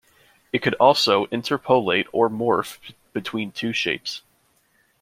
It could also interpolate, or morph, between two different shapes.